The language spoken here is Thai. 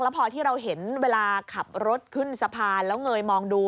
พอที่เราเห็นเวลาขับรถขึ้นสะพานแล้วเงยมองดู